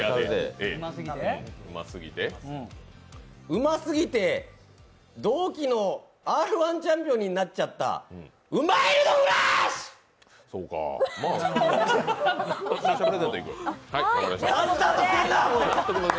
うますぎて、同期のＲ−１チャンピオンになっちゃったはい、ありがとうございました。